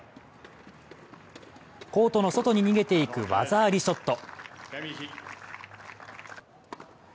コートの外に逃げていく技ありショット。